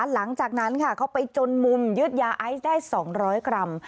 หลังจากนั้นเขาไปจนมุมยึดยาไอซ์ได้๒๐๐กรัม